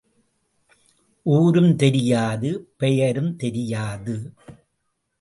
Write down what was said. ஊரும் தெரியாது பெயரும் தெரியாது!